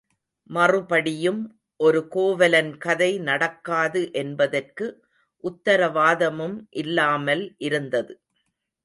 மறுபடியும் ஒரு கோவலன் கதை நடக்காது என்பதற்கு உத்தரவாதமும் இல்லாமல் இருந்தது.